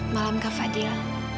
malam kak fadil